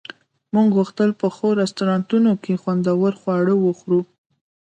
موږ غوښتل په ښو رستورانتونو کې خوندور خواړه وخورو